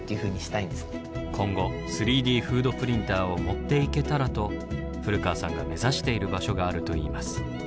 今後３Ｄフードプリンターを持っていけたらと古川さんが目指している場所があるといいます。